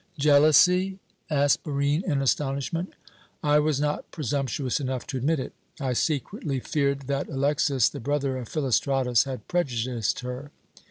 "Jealousy?" asked Barine, in astonishment. "I was not presumptuous enough to admit it. I secretly feared that Alexas, the brother of Philostratus, had prejudiced her.